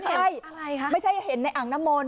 ไม่ใช่อะไรคะไม่ใช่เห็นในอ่างน้ำมน